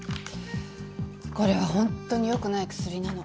これはほんとに良くない薬なの。